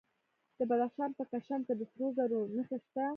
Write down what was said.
د بدخشان په کشم کې د سرو زرو نښې شته.